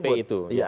dengan ktp itu